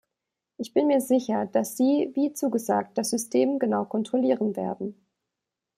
Ich bin mir sicher, dass sie, wie zugesagt, das System genau kontrollieren werden.